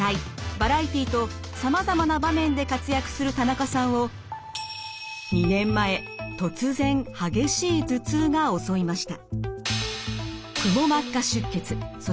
バラエティーとさまざまな場面で活躍する田中さんを２年前突然激しい頭痛が襲いました。